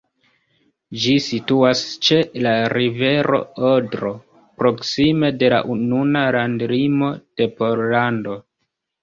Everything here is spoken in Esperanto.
Ĝi situas ĉe la rivero Odro, proksime de la nuna landlimo de Pollando.